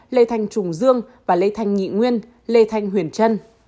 lê thanh trùng dương và lê thanh nhị nguyên lê thanh huyền trân